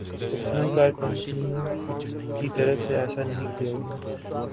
تقسیم کار کمپنیوں کی طرف سے ایسا نہیں کیا گیا